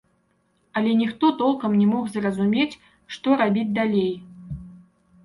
Але ніхто толкам не мог зразумець, што рабіць далей.